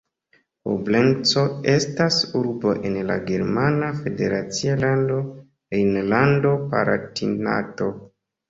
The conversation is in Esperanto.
Koblenco estas urbo en la germana federacia lando Rejnlando-Palatinato.